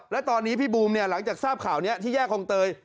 และตอนนี้พี่บูมเนี่ยหลังจากทราบข่าวนี้ที่แยกคลองเตย